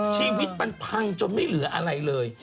ชีวิตมันพังจนไม่เหลืออะไรเลย